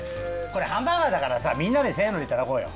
これハンバーガーだからさみんなでせのでいただこうよ。